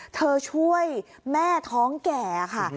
ช่วยแม่ท้องแก่ค่ะ